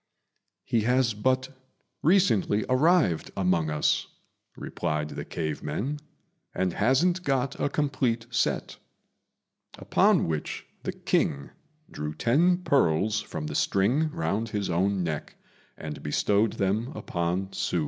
"He has but recently arrived among us," replied the cave men, "and hasn't got a complete set;" upon which the King drew ten pearls from the string round his own neck and bestowed them upon Hsü.